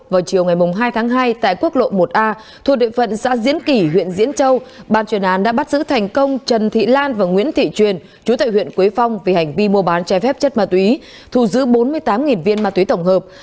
vào chiều ngày hai tháng hai tại quốc lộ một a thuộc địa phận xã diễn kỷ huyện diễn châu ban chuyên án đã bắt giữ thành công trần thị lan và nguyễn thị truyền chú tại huyện quế phong vì hành vi mua bán trái phép chất ma túy thù giữ bốn mươi tám viên ma túy tổng hợp